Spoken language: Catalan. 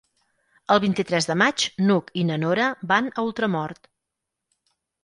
El vint-i-tres de maig n'Hug i na Nora van a Ultramort.